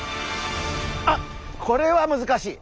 あっこれは難しい。